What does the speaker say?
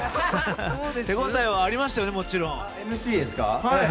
手応えはありましたよね、もちろんＭＣですか？